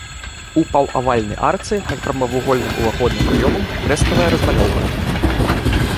У паўавальнай арцы над прамавугольным уваходным праёмам фрэскавая размалёўка.